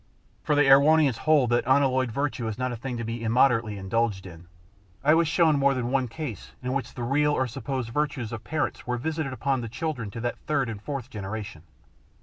For the Erewhonians hold that unalloyed virtue is not a thing to be immoderately indulged in. I was shown more than one case in which the real or supposed virtues of parents were visited upon the children to the third and fourth generation.